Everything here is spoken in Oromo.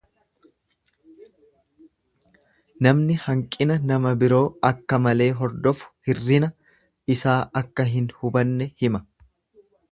Namni hanqina nama biroo akka malee hordofu hirrina isaa akka hin hubanne hima.